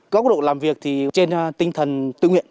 góc độ làm việc trên tinh thần tự nguyện